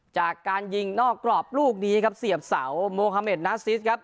จากการยิงนอกกรอบลูกนี้ครับเสียบเสาโมฮาเมดนาซิสครับ